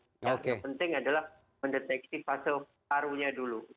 yang penting adalah mendeteksi fase parunya dulu